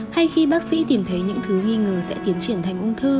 hay khi bác sĩ tìm thấy những thứ nghi ngờ sẽ tiến triển thành ung thư